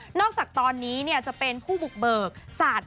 แต่มีนักแสดงคนนึงเดินเข้ามาหาผมบอกว่าขอบคุณพี่แมนมากเลย